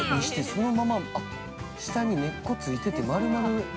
そのまま下に根っこついてて、まるまる。